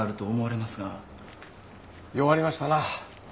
弱りましたな。